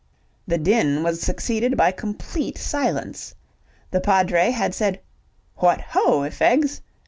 The din was succeeded by complete silence. The Padre had said "What ho, i' fegs?"